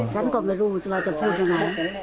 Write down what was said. ฉันก็ไม่รู้เราจะพูดยังไง